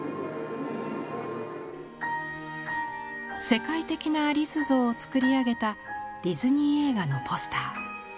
世界的なアリス像を作り上げたディズニー映画のポスター。